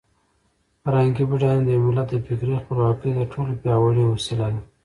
فرهنګي بډاینه د یو ملت د فکري خپلواکۍ تر ټولو پیاوړې وسله ده.